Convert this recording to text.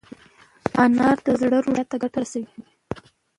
انار د زړه روغتیا ته ګټه رسوي.